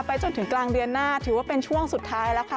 จนถึงกลางเดือนหน้าถือว่าเป็นช่วงสุดท้ายแล้วค่ะ